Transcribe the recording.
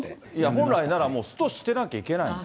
本来ならもうストしてなきゃいけないの。